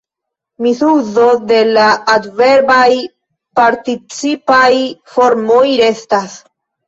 Misuzo de la adverbaj participaj formoj restas.